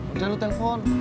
udah lu telpon